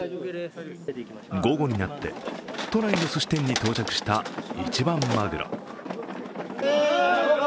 午後になって都内のすし店に到着した一番まぐろ。